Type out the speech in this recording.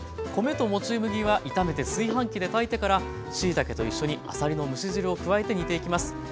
米ともち麦は炒めて炊飯器で炊いてからしいたけと一緒にあさりの蒸し汁を加えて煮ていきます。